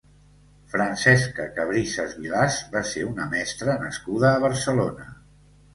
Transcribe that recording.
Francesca Cabrisses Vilàs va ser una mestra nascuda a Barcelona.